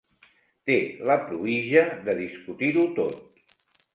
Té la pruïja de discutir-ho tot.